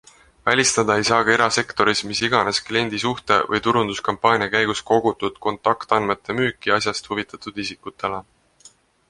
Välistada ei saa ka erasektoris mis iganes kliendisuhte või turunduskampaania käigus kogutud kontaktandmete müüki asjast huvitatud isikutele.